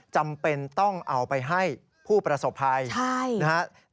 จำเป็นต้องเอาไปให้ผู้ประสบภัยนะครับ